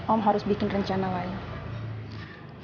om harus bikin rencana lain